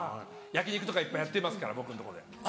焼き肉とかいっぱいやってますから僕んとこで。